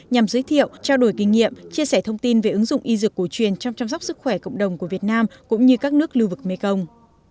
nhằm giới thiệu trao đổi kinh nghiệm chia sẻ thông tin về ứng dụng y dược cổ truyền trong chăm sóc sức khỏe cộng đồng của việt nam cũng như các nước lưu vực mekong